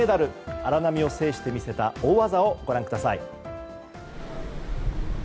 荒波を制して見せた大技をご覧ください。